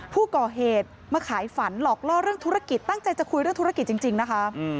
ผู้ก่อเหตุมาขายฝันหลอกล่อเรื่องธุรกิจตั้งใจจะคุยเรื่องธุรกิจจริงนะคะ